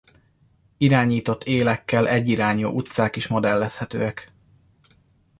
Irányított élekkel egyirányú utcák is modellezhetőek.